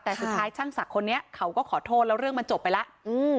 แต่สุดท้ายช่างศักดิ์คนนี้เขาก็ขอโทษแล้วเรื่องมันจบไปแล้วอืม